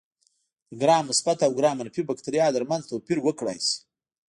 د ګرام مثبت او ګرام منفي بکټریا ترمنځ توپیر وکړای شي.